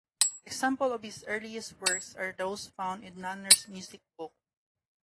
Examples of his earliest works are those found in "Nannerl's Music Book".